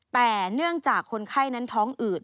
แต่เนื่องจากคนไข้นั้นท้องอืด